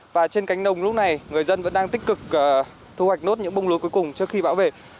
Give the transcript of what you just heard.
và trên cánh đồng lúc này người dân vẫn đang tích cực thu hoạch nốt những bông lúa cuối cùng trước khi bão về